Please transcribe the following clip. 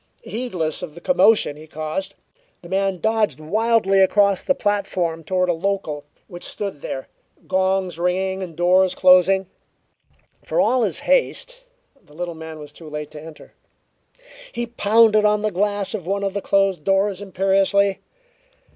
Heedless of the commotion he caused, the man dodged wildly across the platform toward a local, which stood there, gongs ringing and doors closing. For all his haste, the little man was too late to enter. He pounded on the glass of one of the closed doors imperiously.